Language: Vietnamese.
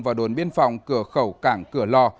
và đồn biên phòng cửa khẩu cảng cửa lò